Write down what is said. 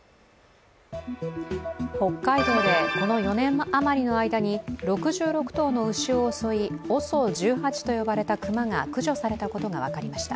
北海道で、この４年余りの間に６６頭の牛を襲いＯＳＯ１８と呼ばれた熊が駆除されたことが分かりました。